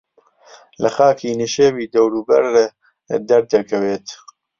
لە خاکی نشێوی دەوروبەر دەردەکەوێت